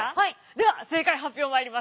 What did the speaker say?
では正解発表まいります。